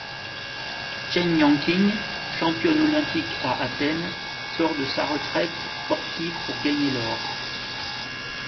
Chen Yanqing, championne olympique à Athènes, sort de sa retraite sportive pour gagner l'or.